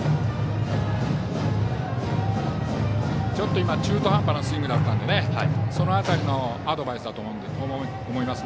ちょっと今、中途半端なスイングだったのでその辺りのアドバイスだと思います。